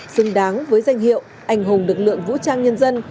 xứng đáng với danh hiệu anh hùng lực lượng vũ trang nhân dân